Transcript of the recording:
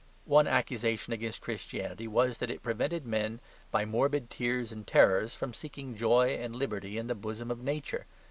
One accusation against Christianity was that it prevented men, by morbid tears and terrors, from seeking joy and liberty in the bosom of Nature.